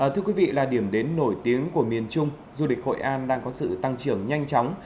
thưa quý vị là điểm đến nổi tiếng của miền trung du lịch hội an đang có sự tăng trưởng nhanh chóng